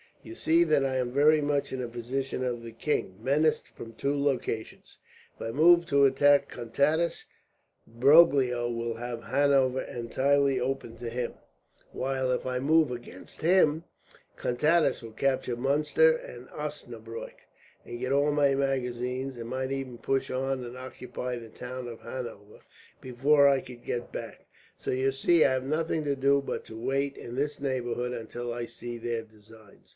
You see that I am very much in the position of the king, menaced from two directions. If I move to attack Contades, Broglio will have Hanover entirely open to him; while if I move against him, Contades will capture Muenster and Osnabrueck and get all my magazines, and might even push on and occupy the town of Hanover, before I could get back. So you see, I have nothing to do but to wait in this neighbourhood until I see their designs.